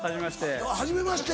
はじめまして。